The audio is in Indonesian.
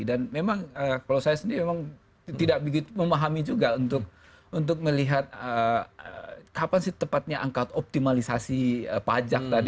dan memang kalau saya sendiri memang tidak begitu memahami juga untuk melihat kapan sih tepatnya angkat optimalisasi pajak tadi